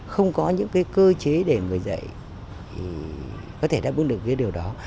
không có những cái cơ chế để người dạy có thể đáp bứt được cái điều đó